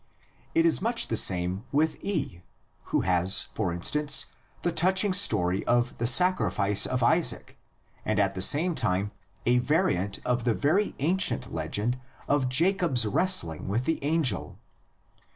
It is much the same with E, who has, for instance, the touching story of the sacrifice of Isaac and at the same time a variant of the very ancient legend of Jacob's wrestling with the angel.